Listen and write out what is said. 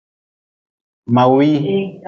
Mawii.